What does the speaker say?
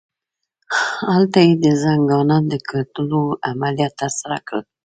هلته یې د زنګانه د کتلولو عملیات ترسره کړل.